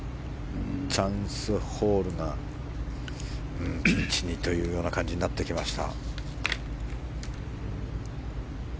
チャンスホールのうちにという感じになってきました。